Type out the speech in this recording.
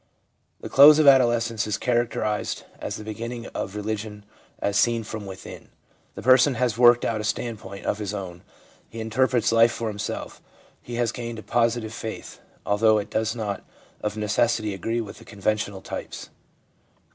The close of adolescence is characterised as the be ginning of religion as seen from within. The person has worked out a standpoint of his own, he interprets life for himself; he has gained a positive faith, although it does not of necessity agree with the conventional types.